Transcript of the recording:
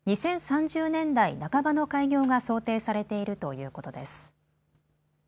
２０３０年代半ばの開業が想定されているということです。